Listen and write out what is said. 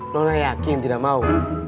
nona yakin tidak mau